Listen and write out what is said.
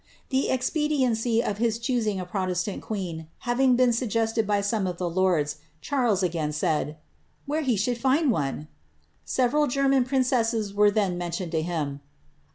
Kpediency of his choosing a protestant queen having been sug y some of the lords, Charles again asked, ^ where he should ?" Several German princesses were then mentioned to him.